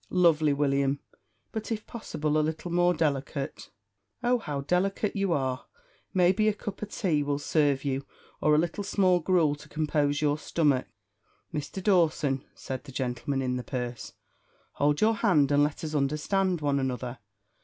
"Lovely, William but, if possible, a little more delicate." "Oh, how delicate you are! Maybe a cup o' tay would sarve you, or a little small gruel to compose your stomach." "Mr. Dawson," said the gentleman in the purse, "hold your hand and let us understand one another.